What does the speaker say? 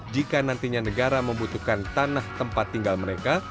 jika nantinya negara membutuhkan tanah tempat tinggal mereka